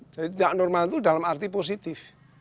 jadi tidak normal itu dalam arti positif